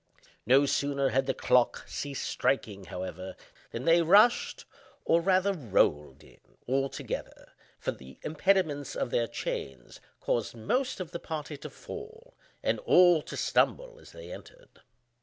No sooner had the clock ceased striking, however, than they rushed, or rather rolled in, all together—for the impediments of their chains caused most of the party to fall, and all to stumble as they entered.